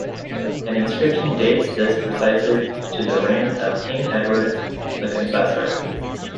An inscription dates this precisely to the reign of King Edward the Confessor.